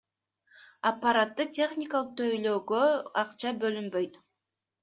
Аппаратты техникалык тейлөөгө акча бөлүнбөйт.